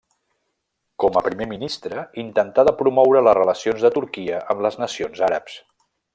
Com a primer ministre, intentà de promoure les relacions de Turquia amb les nacions àrabs.